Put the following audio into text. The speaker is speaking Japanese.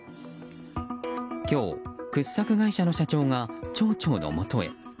今日、掘削会社の社長が町長のもとへ。